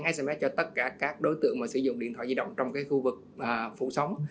gửi tin nhắn sms cho tất cả các đối tượng mà sử dụng điện thoại di động trong cái khu vực phủ sóng